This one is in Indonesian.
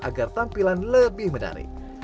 agar tampilan lebih menarik